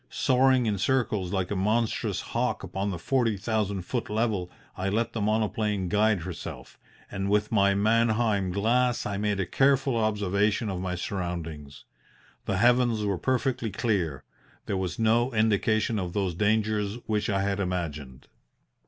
Soaring in circles like a monstrous hawk upon the forty thousand foot level I let the monoplane guide herself, and with my Mannheim glass I made a careful observation of my surroundings. The heavens were perfectly clear; there was no indication of those dangers which I had imagined.